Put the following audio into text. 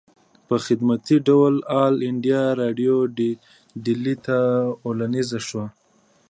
پۀ خدمتي ډول آل انډيا ريډيو ډيلي ته اوليږلی شو